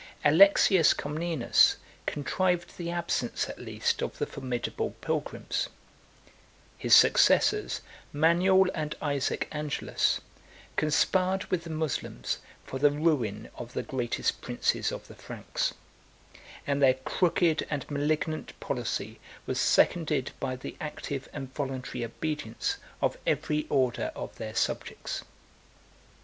Alexius Comnenus contrived the absence at least of the formidable pilgrims: his successors, Manuel and Isaac Angelus, conspired with the Moslems for the ruin of the greatest princes of the Franks; and their crooked and malignant policy was seconded by the active and voluntary obedience of every order of their subjects.